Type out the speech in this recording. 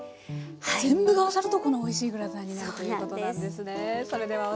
全部が合わさるとこのおいしいグラタンになるということなんですね。